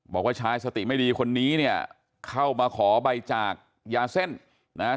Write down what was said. บอกว่าชายสติไม่ดีคนนี้เนี่ยเข้ามาขอใบจากยาเส้นนะฮะ